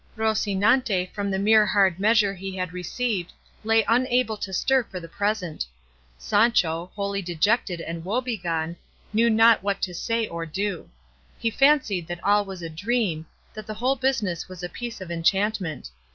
Rocinante from the mere hard measure he had received lay unable to stir for the present. Sancho, wholly dejected and woebegone, knew not what to say or do. He fancied that all was a dream, that the whole business was a piece of enchantment.